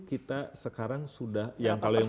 kita sekarang sudah kalau yang